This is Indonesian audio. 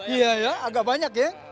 iya ya agak banyak ya